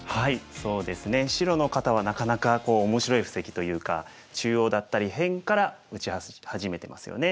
そうですね白の方はなかなか面白い布石というか中央だったり辺から打ち始めてますよね。